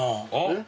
えっ？